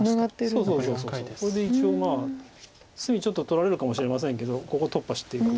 そうそうこれで一応まあ隅ちょっと取られるかもしれませんけどここ突破していく。